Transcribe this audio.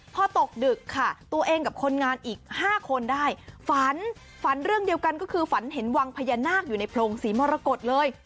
พอตกดึกค่ะตัวเองกับคนงานอีก๕คนได้ฝันฝันเรื่องเดียวกันก็คือฝันเห็นวังพญานาคอยู่ในโพรงศรีมรกฏเลย